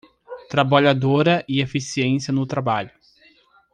Trabalhadora e eficiência no trabalho